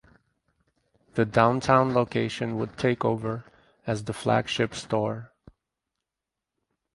The Downtown location would take over as the flagship store.